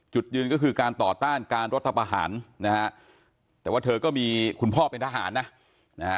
จุดยืนก็คือการต่อต้านการรัฐประหารนะฮะแต่ว่าเธอก็มีคุณพ่อเป็นทหารนะนะฮะ